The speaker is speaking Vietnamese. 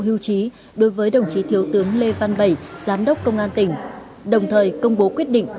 hưu trí đối với đồng chí thiếu tướng lê văn bảy giám đốc công an tỉnh đồng thời công bố quyết định